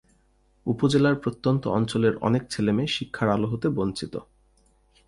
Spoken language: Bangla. উপজেলার প্রত্যন্ত অঞ্চলের অনেক ছেলেমেয়ে শিক্ষার আলো হতে বঞ্চিত।